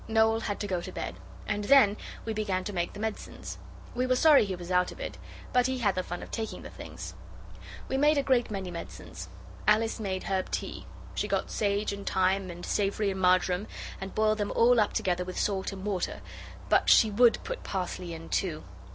Noel had to go to bed, and then we began to make the medicines; we were sorry he was out of it, but he had the fun of taking the things. We made a great many medicines. Alice made herb tea. She got sage and thyme and savory and marjoram and boiled them all up together with salt and water, but she would put parsley in too.